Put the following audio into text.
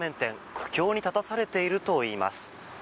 苦境に立たされているといいます。